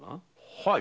はい。